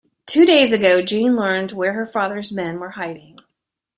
Two days ago Jeanne learned where her father's men were hiding.